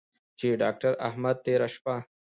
چې داکتر احمد تېره شپه